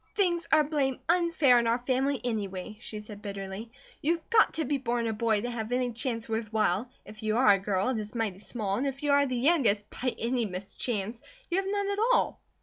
"Things are blame unfair in our family, anyway!" she said, bitterly. "You have got to be born a boy to have any chance worth while; if you are a girl it is mighty small, and if you are the youngest, by any mischance, you have none at all.